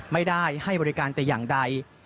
ไม่ได้ให้บริการแต่อย่างใด